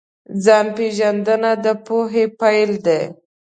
ځان پېژندنه د پوهې پیل دی.